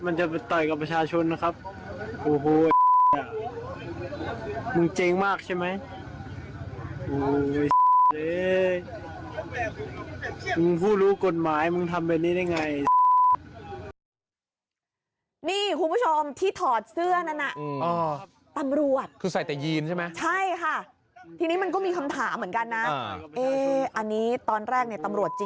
นี่คุณผู้ชมที่ถอดเสื้อนั้นนะตำรวจ